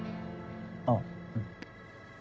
あぁうん。